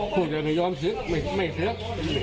พูดว่าไม่ยอมซึกไม่ซึก